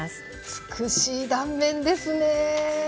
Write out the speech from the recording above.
美しい断面ですね。